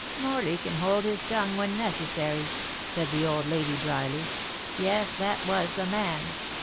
"Morley can hold his tongue when necessary," said the old lady dryly. "Yes, that was the man.